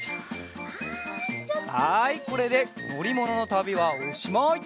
はいこれでのりもののたびはおしまい！